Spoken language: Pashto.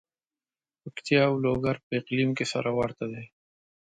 پکتیا او لوګر په اقلیم کې سره ورته دي.